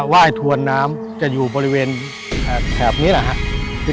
ว่ายถวนน้ำจะอยู่บริเวณแถบนี้แหละครับ